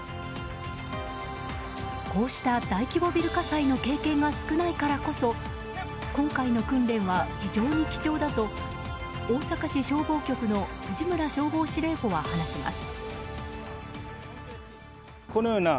こうした大規模ビル火災の経験が少ないからこそ今回の訓練は非常に貴重だと大阪市消防局の藤村消防司令補は話します。